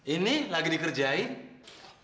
ini lagi dikerjain